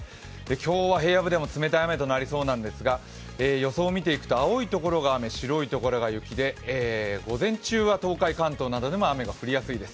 今日は平野部でも冷たい雨となりそうなんですが予想を見ていくと、青いところが雨白いところが雪で午前中は東海・関東などでも雨が降りやすいです。